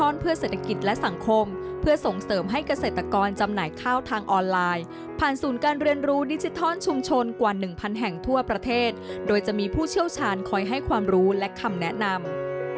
เศรษฐกิจและสังคมเพื่อส่งเสริมให้เกษตรกรจำหน่ายข้าวทางออนไลน์ผ่านศูนย์การเรียนรู้ดิจิทัลชุมชนกว่าหนึ่งพันแห่งทั่วประเทศโดยจะมีผู้เชี่ยวชาญคอยให้ความรู้และคำแนะนำ